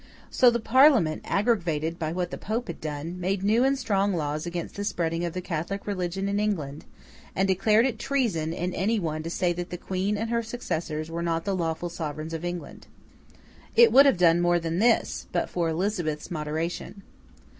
So, the Parliament, aggravated by what the Pope had done, made new and strong laws against the spreading of the Catholic religion in England, and declared it treason in any one to say that the Queen and her successors were not the lawful sovereigns of England. It would have done more than this, but for Elizabeth's moderation.